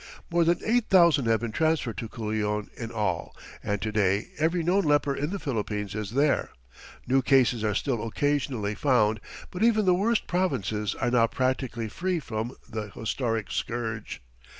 More than eight thousand have been transferred to Culion in all, and to day every known leper in the Philippines is there. New cases are still occasionally found, but even the worst provinces are now practically free from the historic scourge.